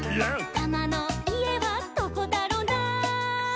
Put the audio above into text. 「タマのいえはどこだろな」